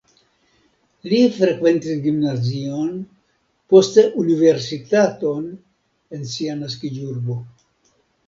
Li frekventis gimnazion, poste universitaton en sia naskiĝurbo.